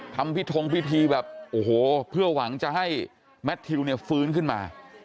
ทำพิทงพิธีแบบโอ้โหเพื่อหวังจะให้แมททิวเนี่ยฟื้นขึ้นมา